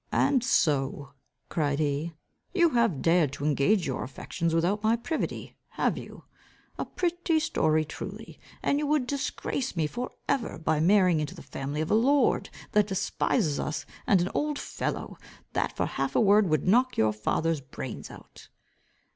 "And so," cried he, "you have dared to engage your affections without my privity, have you? A pretty story truly. And you would disgrace me for ever, by marrying into the family of a lord, that despises us, and an old fellow, that for half a word would knock your father's brains out."